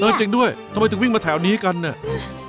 จริงด้วยทำไมถึงวิ่งมาแถวนี้กันเนี่ย